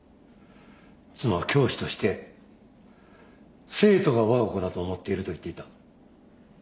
妻は教師として生徒がわが子だと思っていると言っていた。